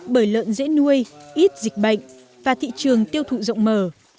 bởi lợn dễ nuôi ít dịch bệnh và thị trường tiêu thụ rộng mở